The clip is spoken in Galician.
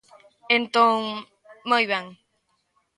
Entón..., moi ben.